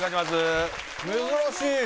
珍しい。